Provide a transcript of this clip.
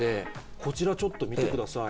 こちらちょっと見てください。